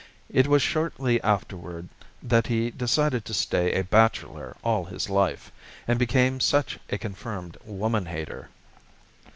It was shortly afterward that he decided to stay a bachelor all his life, and became such a confirmed woman hater."